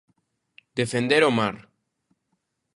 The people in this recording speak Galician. Defender o Mar.